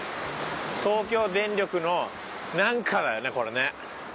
東京電力のなんかだよねこれね。